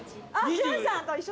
順さんと一緒だ。